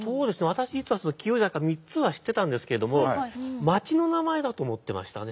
私実は紀尾井坂３つは知ってたんですけども町の名前だと思ってましたね。